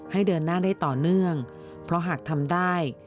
เดินหน้าได้ต่อเนื่องเพราะหากทำได้